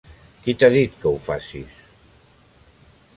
Qui t'ha dit que ho facis?